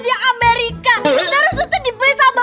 di amerika terus itu dibelit sama